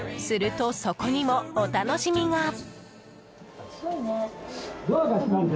すると、そこにもお楽しみが。